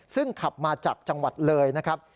ซึ่งขับมาจากจังหวัดเลยนะครับ